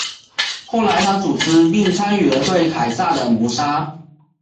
后来他组织并参与了对凯撒的谋杀。